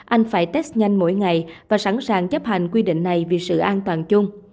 anh phải test nhanh mỗi ngày và sẵn sàng chấp hành quy định này vì sự an toàn chung